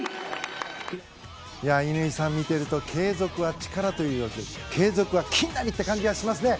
乾さんを見ていると継続は力というより継続は金なり！って感じがしますね。